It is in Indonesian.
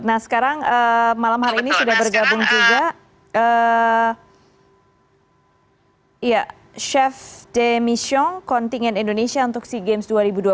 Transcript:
nah sekarang malam hal ini sudah bergabung juga chef de mission kontinen indonesia untuk si games dua ribu dua puluh tiga